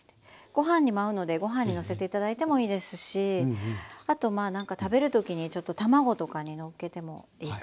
ご飯にも合うのでご飯にのせて頂いてもいいですしあと何か食べるときにちょっと卵とかにのっけてもいいかなと思います。